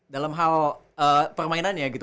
dalam hal permainannya gitu